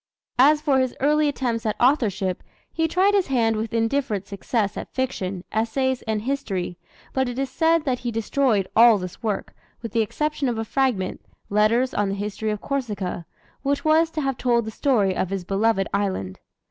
As for his early attempts at authorship, he tried his hand with indifferent success at fiction, essays, and history, but it is said that he destroyed all this work, with the exception of a fragment, "Letters on the History of Corsica," which was to have told the story of his beloved island.